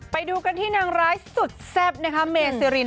ไปดูกันที่นางร้ายสุดแซ่บนะคะเมซิริน